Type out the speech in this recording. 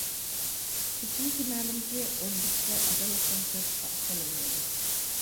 كۆپچىلىككە مەلۇمكى، ئوردىدىكى ئىشلار ئاسانلىقچە سىرتقا ئاشكارىلانمايدۇ.